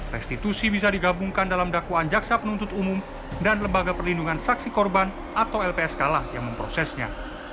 restitusi bisa digabungkan dalam dakwaan jaksa penuntut umum dan lembaga perlindungan saksi korban atau lpsk lah yang memprosesnya